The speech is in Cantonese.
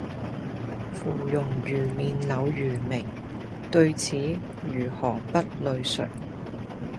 芙蓉如面柳如眉，對此如何不淚垂！